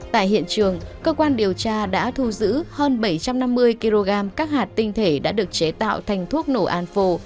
tại hiện trường cơ quan điều tra đã thu giữ hơn bảy trăm năm mươi kg các hạt tinh thể đã được chế tạo thành thuốc nổ an phồ